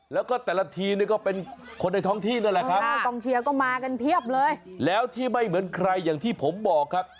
แล้วก็แต่ละทีมก็เป็นคนในท้องที่นั่นแหละครับแล้วที่ไม่เหมือนใครอย่างที่ผมบอกครับ